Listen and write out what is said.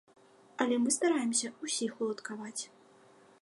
Але мы стараемся ўсіх уладкаваць.